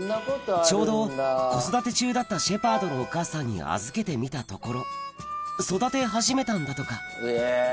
ちょうど子育て中だったシェパードのお母さんに預けてみたところ育て始めたんだとか